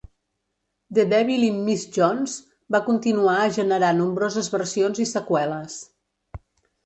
"The Devil in Miss Jones" va continuar a generar nombroses versions i seqüeles.